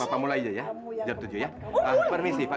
ini silahkan bang satria pak